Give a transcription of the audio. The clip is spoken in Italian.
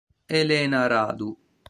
Elena Radu